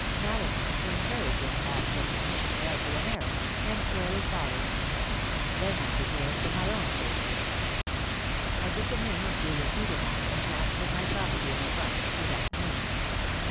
Mallison, to encourage this false recognition, fled to America, and Carew followed. Then I prepared for my own safety. "'I took the name of Julian Edermont, and transferred my property in the funds to that name.